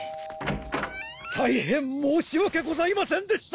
大変申し訳ございませんでした！